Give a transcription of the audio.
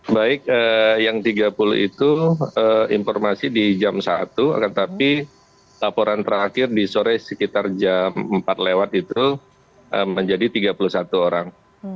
baik yang tiga puluh itu informasi di jam satu akan tetapi laporan terakhir di sore sekitar jam empat lewat itu menjadi tiga puluh satu orang